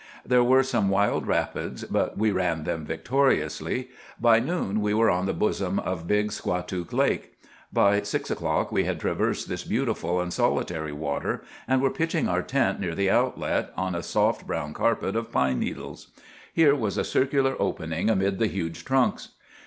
There were some wild rapids, but we ran them victoriously. By noon we were on the bosom of Big Squatook Lake. By six o'clock we had traversed this beautiful and solitary water, and were pitching our tent near the outlet, on a soft brown carpet of pine needles. Here was a circular opening amid the huge trunks.